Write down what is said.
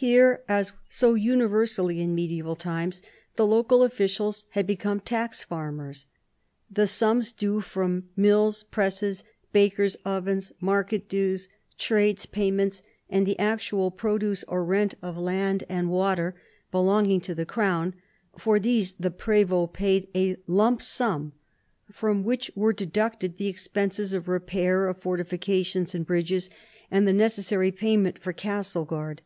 Here, as so universally in medieval times, the local officials had become tax farmers. The sums due from mills, presses, bakers' ovens, market dues, trades pay ments, and the actual produce or rent of land and water belonging to the Crown ; for these the prdvdts paid a lump sum, from which were deducted the expenses of repair, of fortifications and bridges, and the necessary payment for castle guard.